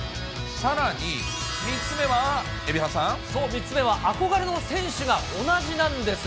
さらに、そう、３つ目は憧れの選手が同じなんです。